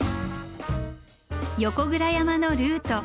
横倉山のルート。